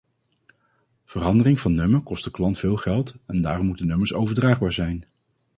Verandering van nummer kost de klant veel geld en daarom moeten nummers overdraagbaar zijn.